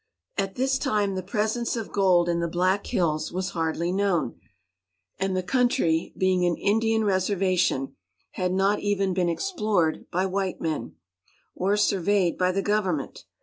At this time the presence of gold in the Black Hills was hardly known, and the country; being an Indian reservation, had not even been explored by white men, or surveyed by the government.